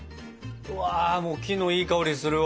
うわもう木のいい香りするわ！